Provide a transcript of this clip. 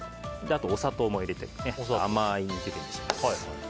お砂糖も入れて甘い煮汁にします。